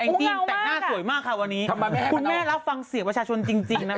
แอ่งจี้แต่งหน้าสวยมากค่ะวันนี้คุณแม่เราฟังเสียบวชาชนจริงนะครับ